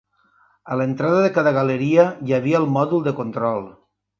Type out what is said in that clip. A l'entrada de cada galeria hi havia el mòdul de control.